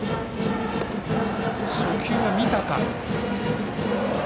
初球は見たか。